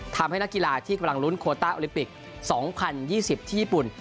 นักกีฬาที่กำลังลุ้นโคต้าโอลิมปิก๒๐๒๐ที่ญี่ปุ่น